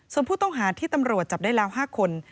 ส่วนผู้ต้องหาที่ตำรวจจับได้แล้ว๕คน